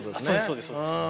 そうですそうです。